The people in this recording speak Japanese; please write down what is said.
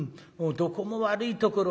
『どこも悪いところはない。